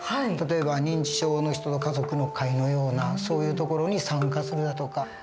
例えば認知症の人の家族の会のようなそういう所に参加するだとか。